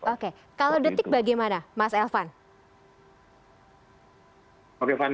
oke kalau detik bagaimana mas elvan